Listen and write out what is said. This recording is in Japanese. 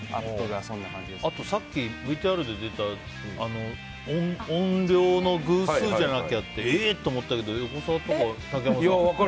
あと、ＶＴＲで出た音量の偶数じゃなきゃってえー！と思ったけど横澤とか竹山さんとか。